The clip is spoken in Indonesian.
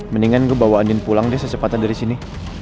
mendingan gue bawa adin pulang deh secepatnya dari sini